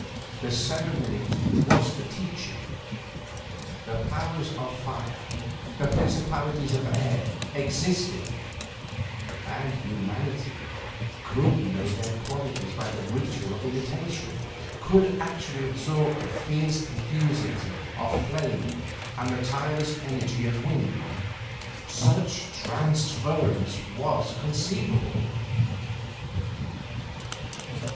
The ceremony was the teaching. The Powers of fire, the Principalities of air, existed; and humanity could know their qualities by the ritual of imitation, could actually absorb the fierce enthusiasm of flame and the tireless energy of wind. Such transference was conceivable.